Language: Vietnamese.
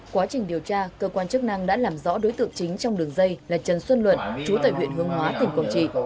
quá trình điều tra cơ quan chức năng đã làm rõ đối tượng chính trong đường dây là trần xuân luận chú tại huyện hương hóa tỉnh quảng trị